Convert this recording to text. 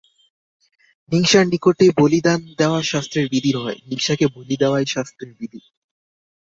হিংসার নিকটে বলিদান দেওয়া শাস্ত্রের বিধি নহে, হিংসাকে বলি দেওয়াই শাস্ত্রের বিধি।